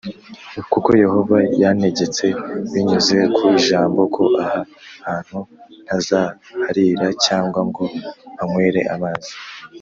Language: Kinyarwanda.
Kuko Yehova yantegetse binyuze ku ijambo ko aha hantu ntazaharira cyangwa ngo mpanywere amazi